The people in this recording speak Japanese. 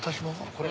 これ？